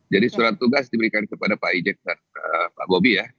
jadi surat tugas diberikan kepada pak ijk dan pak bobi ya